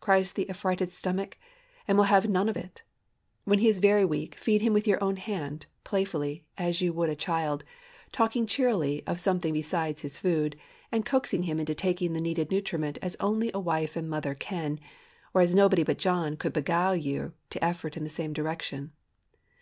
cries the affrighted stomach, and will have none of it. While he is very weak, feed him with your own hand, playfully, as you would a child, talking cheerily of something besides his food, and coaxing him into taking the needed nutriment as only a wife and mother can, or as nobody but John could beguile you to effort in the same direction.